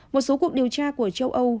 một số cuộc điều tra của châu âu